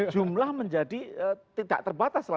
jumlah menjadi tidak terbatas